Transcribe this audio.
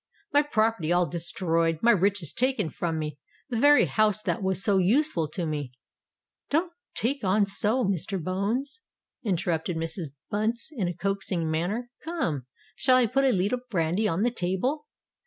My property all destroyed—my riches taken from me—the very house that was so useful to me——" "Don't take on so, Mr. Bones!" interrupted Mrs. Bunce, in a coaxing manner. "Come—shall I put a leetle brandy on the table?"